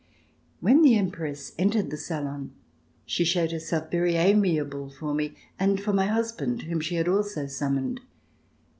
When the Empress entered the salon, she showed herself very amiable for me and for my husband, whom she had also summoned.